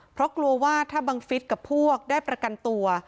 เพราะกลัวว่าถ้าบังฟิศกับพวกได้ประกันตัว